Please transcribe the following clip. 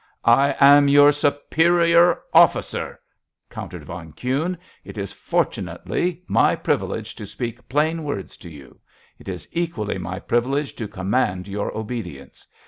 "I am your superior officer!" countered von Kuhne. "It is, fortunately, my privilege to speak plain words to you; it is equally my privilege to command your obedience.